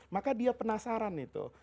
maka dia penasaran itu